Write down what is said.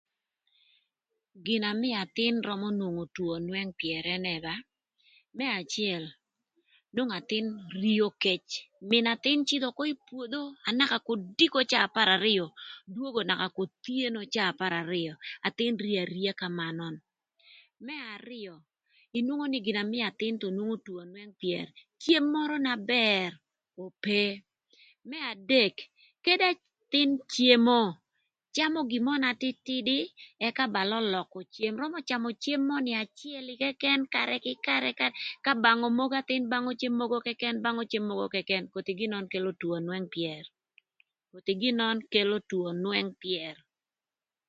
Gin na mïö athïn römö nwongo two önwëng pyër ënë ba, më acël nwongo athïn rio kec mïn athïn cïdhö ökö ï pwodho anaka kodiko caa apar arïö dwongo naka k'othyeno caa apar arïö athïn rio aria kömanön. Më arïö inwongo nï gin na mïö athïn thon nwongo two önwëng pyër cem mörö na bër ope. Më adek kede athïn cemo camö gin mö na tïtïdï ëka ba lölökö cem römö camö cem mörö ni acël këkën karë kï karë ka bangö mogo athïn bangö cë mogo këkën bangö cë mogo këkën ën koth gin nön kelo twö önwëng pyër koth gin nön kelo two önwëng pyër.